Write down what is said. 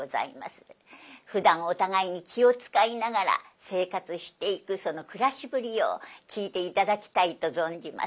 ふだんお互いに気を遣いながら生活していくその暮らしぶりを聴いて頂きたいと存じます。